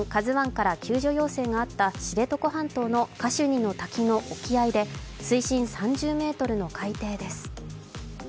「ＫＡＺＵⅠ」から救助要請があった知床半島のカシュニの滝の沖合で水深３０ｍの海底です。